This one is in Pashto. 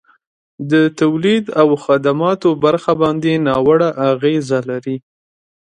د تولید او خدماتو برخه باندي ناوړه اغیزه لري.